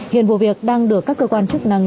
hiện vụ việc đang được các cơ quan chức năng